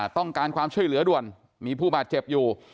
ต้องการความช่วยเหลือด่วนมีผู้บาดเจ็บอยู่